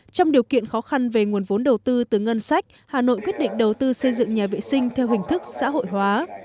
trong điều kiện khó khăn về nguồn vốn đầu tư từ ngân sách hà nội quyết định đầu tư xây dựng nhà vệ sinh theo hình thức xã hội hóa